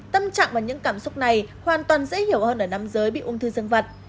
tâm trạng và những cảm xúc này hoàn toàn dễ hiểu hơn ở nam giới bị ung thư dân vật